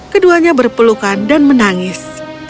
keduanya berpelukan dan menangis